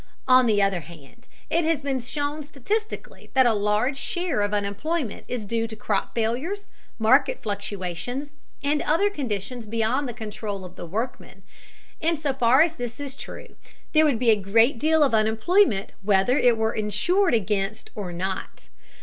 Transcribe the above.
On the other hand, it has been shown statistically that a large share of unemployment is due to crop failures, market fluctuations, and other conditions beyond the control of the workmen. In so far as this is true, there would be a great deal of unemployment whether it were insured against or not.